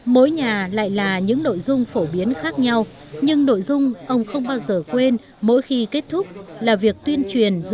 mỗi nhà lại là những nội dung phổ biến khác nhau nhưng nội dung ông không bao giờ quên mỗi khi kết thúc là việc tuyên truyền